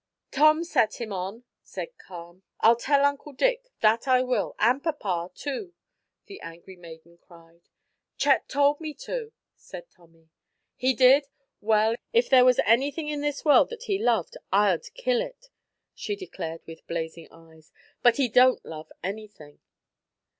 "Tom set him on," said Carm. "I'll tell Uncle Dick, that I will, and papa, too," the angry maiden cried. "Chet told me to," said Tommy. "He did? Well, if there was anything in this world that he loved, I'd kill it," she declared with blazing eyes, "but he don't love anything."